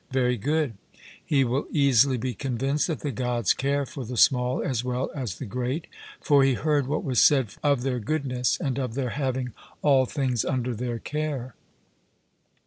'Very good.' He will easily be convinced that the Gods care for the small as well as the great; for he heard what was said of their goodness and of their having all things under their care.